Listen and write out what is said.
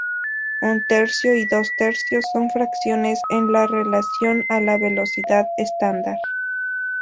Un tercio y dos tercios son fracciones en relación a la velocidad estándar.